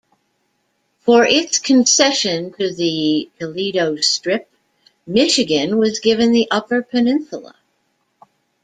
For its concession to the Toledo Strip, Michigan was given the Upper Peninsula.